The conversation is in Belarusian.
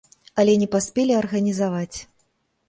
Але не паспелі арганізаваць.